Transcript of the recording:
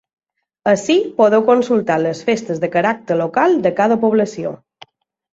Ací podeu consultar les festes de caràcter local de cada població.